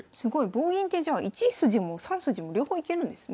棒銀ってじゃあ１筋も３筋も両方いけるんですね。